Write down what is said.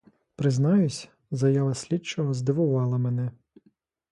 Признаюсь, заява слідчого здивувала мене.